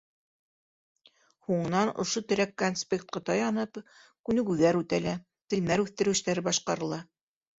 Һуңынан ошо терәк конспектҡа таянып, күнегеүҙәр үтәлә, телмәр үҫтереү эштәре башҡарыла.